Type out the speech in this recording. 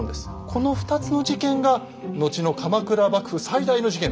この２つの事件が後の鎌倉幕府最大の事件